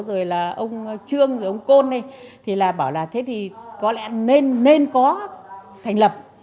rồi là ông trương ông côn thì bảo là thế thì có lẽ nên có thành lập